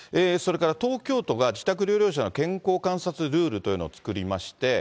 それから東京都が、自宅療養者の健康観察ルールというのを作りまして。